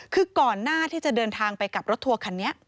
คือก่อนหน้าที่จะเดินทางไปกับรถทัวร์คันนี้